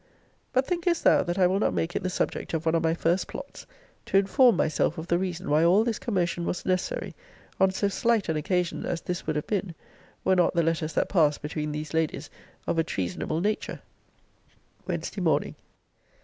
But thinkest thou that I will not make it the subject of one of my first plots to inform myself of the reason why all this commotion was necessary on so slight an occasion as this would have been, were not the letters that pass between these ladies of a treasonable nature? WEDNESDAY MORNING.